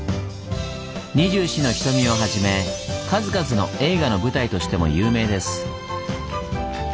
「二十四の瞳」をはじめ数々の映画の舞台としても有名です。